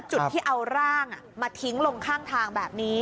จุดที่เอาร่างมาทิ้งลงข้างทางแบบนี้